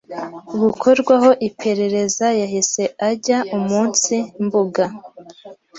gukorwaho iperereza yahise ajya umunsi mbuga